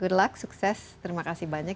good luck sukses terima kasih banyak